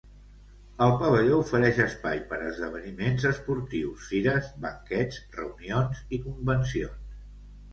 El pavelló ofereix espai per a esdeveniments esportius, fires, banquets, reunions i convencions.